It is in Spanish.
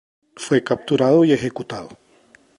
Fue capturado y ejecutado.